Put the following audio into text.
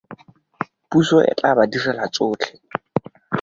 Puso e tla ba direla tsotlhe.